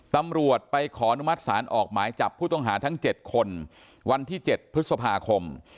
ตำรวจไปขอนุมัติศาลออกหมายจับผู้ต้องหาทั้ง๗คนวันที่๗พฤษภาคม